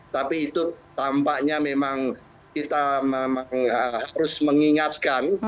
tapi itu tampaknya memang kita harus mengingatkan